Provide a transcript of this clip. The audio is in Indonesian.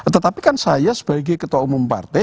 tetapi kan saya sebagai ketua umum partai